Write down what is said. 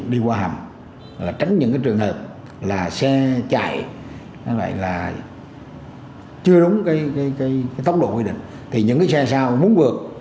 đi qua hầm là tránh những trường hợp là xe chạy chưa đúng tốc độ quy định thì những xe sau muốn vượt